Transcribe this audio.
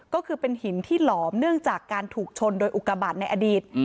ก็คือเป็นหินที่หลอมเนื่องจากการถูกชนโดยอุกบาทในอดีต